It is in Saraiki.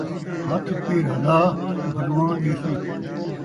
ہتھ پیر ہلا ، بھڳوان ݙیسی